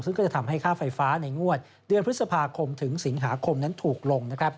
ซึ่งก็จะทำให้ค่าไฟฟ้าในงวดเดือนพฤษภาคมถึงสิงหาคมนั้นถูกลง